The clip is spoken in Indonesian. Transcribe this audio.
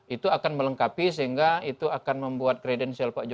itu akan melengkapi sehingga itu akan membuat kredensial pak jokowi